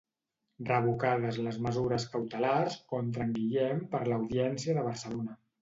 Revocades les mesures cautelars contra en Guillem per l'Audiència de Barcelona.